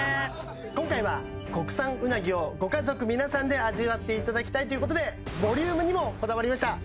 今回は国産うなぎをご家族皆さんで味わっていただきたいということでボリュームにもこだわりました